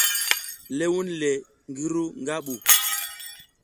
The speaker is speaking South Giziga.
Le wunle ngi ru nga ɓu.